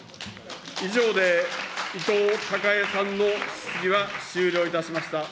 以上で伊藤孝恵さんの質疑は終了いたしました。